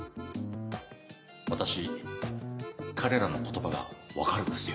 私彼らの言葉が分かるんですよ。